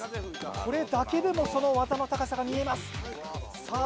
これだけでもその技の高さが見えますさあ